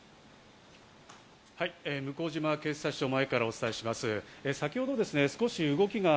向島警察署前からお伝えします。